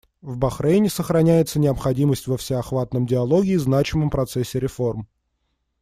В Бахрейне сохраняется необходимость во всеохватном диалоге и значимом процессе реформ.